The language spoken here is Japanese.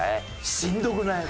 しんどくない？